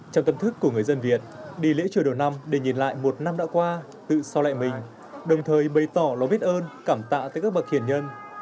trong tâm thức của người dân việt đi lễ chùa đầu năm để nhìn lại một năm đã qua tự so lại mình đồng thời bày tỏ lòng biết ơn cảm tạ tới các bậc tiền nhân